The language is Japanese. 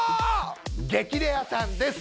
『激レアさん』です。